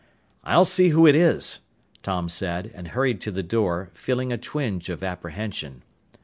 "I'll see who it is," Tom said, and hurried to the door, feeling a twinge of apprehension.